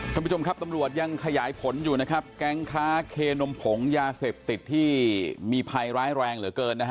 ท่านผู้ชมครับตำรวจยังขยายผลอยู่นะครับแก๊งค้าเคนมผงยาเสพติดที่มีภัยร้ายแรงเหลือเกินนะฮะ